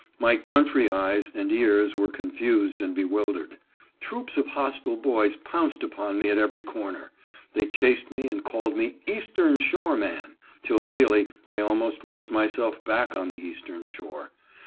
My country eyes and ears were con fused and bewildered. Troops of hostile boys pounced upon me at every corner. They chased me, and called me " Eastern Shore man," till really I almost wished my self back on the Eastern Shore.